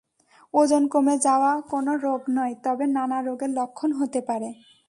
ওজন কমে যাওয়া কোনো রোগ নয়, তবে নানা রোগের লক্ষণ হতে পারে।